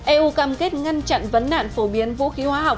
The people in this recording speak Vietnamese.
eu cam kết ngăn chặn vấn nạn phổ biến vũ khí hóa học